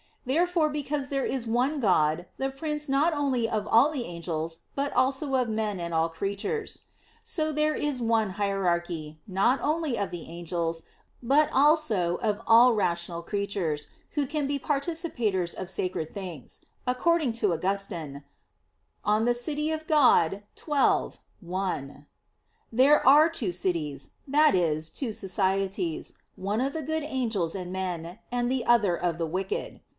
Therefore because there is one God, the Prince not only of all the angels but also of men and all creatures; so there is one hierarchy, not only of all the angels, but also of all rational creatures, who can be participators of sacred things; according to Augustine (De Civ. Dei xii, 1): "There are two cities, that is, two societies, one of the good angels and men, the other of the wicked."